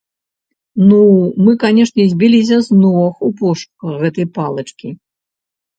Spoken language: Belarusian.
Ну, мы, канешне, збіліся з ног у пошуках гэтай палачкі.